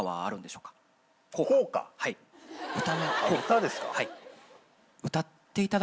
歌ですか。